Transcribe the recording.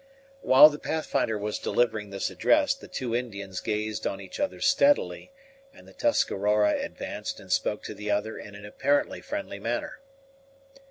While the Pathfinder was delivering this address, the two Indians gazed on each other steadily, and the Tuscarora advanced and spoke to the other in an apparently friendly manner.